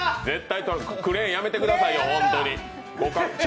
クレーンやめてくださいよ、ホントに。